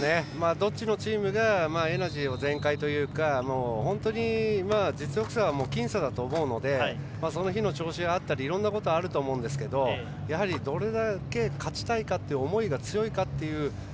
どっちのチームがエナジーを全開というか本当に実力者は僅差だと思うのでその日の調子があったりいろんなことがあると思うんですがやはりどれだけ勝ちたいかという思いが強いかという。